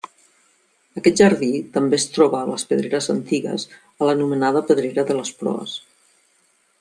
Aquest jardí també es troba a les pedreres antigues a l'anomenada pedrera de les Proes.